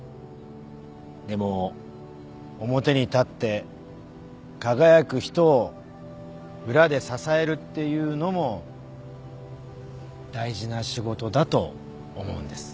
でも表に立って輝く人を裏で支えるっていうのも大事な仕事だと思うんです